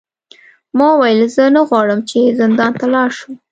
ما وویل زه نه غواړم چې زندان ته لاړ شم.